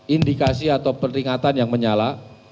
indikasi atau peringatan yang menyala